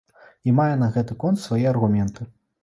І мае на гэты конт свае аргументы.